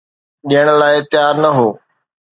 ڏيڻ لاءِ تيار نه هو.